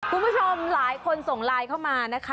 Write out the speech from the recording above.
คุณผู้ชมหลายคนส่งไลน์เข้ามานะคะ